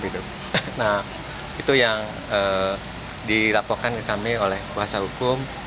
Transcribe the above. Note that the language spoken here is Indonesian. nah itu yang dilaporkan ke kami oleh kuasa hukum